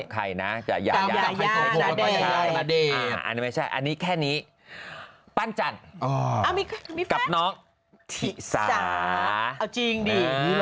ข้ามกับใครนะอย่าอันนี้แค่นี้ปั้นจันกับน้องถิสาจริงดิ